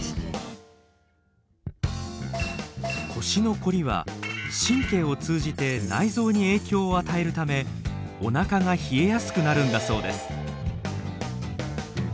腰のコリは神経を通じて内臓に影響を与えるためおなかが冷えやすくなるんだそうです。